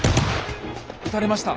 撃たれました。